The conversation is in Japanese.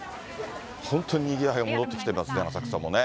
本当ににぎわい戻ってきてますね、浅草もね。